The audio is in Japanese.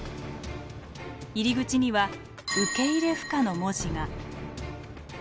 入り口には「受入不可」の文字が。